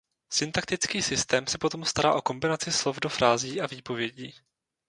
Syntaktický systém se potom stará o kombinaci slov do frází a výpovědí.